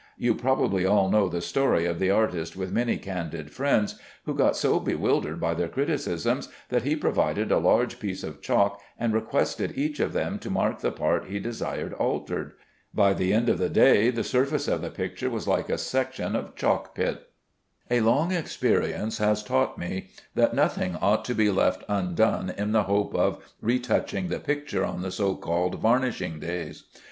You probably all know the story of the artist with many candid friends, who got so bewildered by their criticisms that he provided a large piece of chalk and requested each of them to mark the part he desired altered. By the end of the day the surface of the picture was like a section of a chalk pit. A long experience has taught me that nothing ought to be left undone in the hope of retouching the picture on the so called varnishing days.